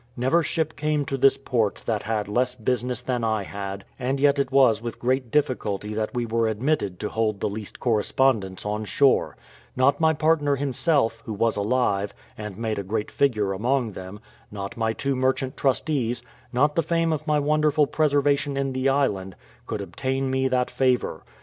Never ship came to this port that had less business than I had, and yet it was with great difficulty that we were admitted to hold the least correspondence on shore: not my partner himself, who was alive, and made a great figure among them, not my two merchant trustees, not the fame of my wonderful preservation in the island, could obtain me that favour.